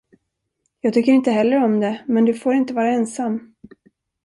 Jag tycker inte heller om det, men du får inte vara ensam.